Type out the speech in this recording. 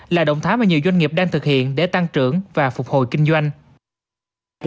là động thái mà nhiều doanh nghiệp đang thực hiện để tăng trưởng và phục hồi kinh doanh